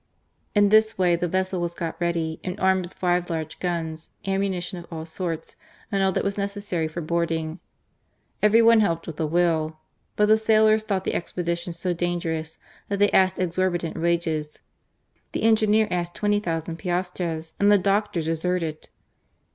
In this way the vessel was got ready, and armed with five large guns, ammuni tion of all sorts, and all that was necessary for boarding. Every one helped with a will : but the sailors thought the expedition so dangerous, that they asked exorbitant wages. The engineer asked 20,000 piastres, and the doctor deserted.